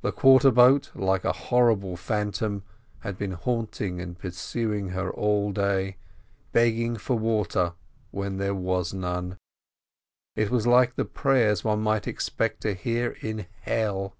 The quarter boat, like a horrible phantom, had been haunting and pursuing her all day, begging for water when there was none. It was like the prayers one might expect to hear in hell.